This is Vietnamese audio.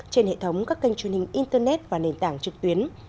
trên hệ thống các kênh truyền hình internet và nền tảng trực tuyến